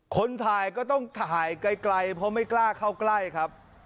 คนถ่ายก็ต้องถ่ายไกลเพราะไม่กล้าเข้าใกล้ครับ